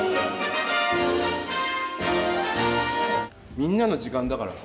みんなの時間だからさ。